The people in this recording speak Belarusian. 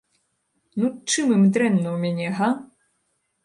Ну, чым ім дрэнна ў мяне, га?